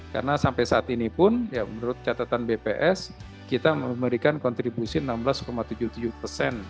karena sampai saat ini pun menurut catatan bps kita memberikan kontribusi enam belas tujuh puluh tujuh persen